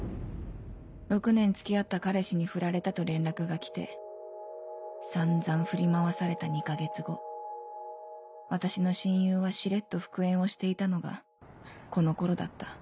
６年付き合った彼氏にフラれたと連絡が来て散々振り回された２か月後私の親友はしれっと復縁をしていたのがこの頃だった